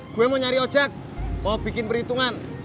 gue mau nyari ojek mau bikin perhitungan